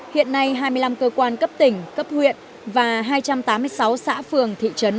hiện nay hai mươi năm cơ quan cấp tỉnh cấp huyện và hai trăm tám mươi sáu xã phường thị trấn